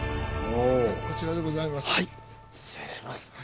こちらでございます。